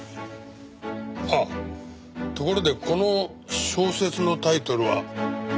あっところでこの小説のタイトルは？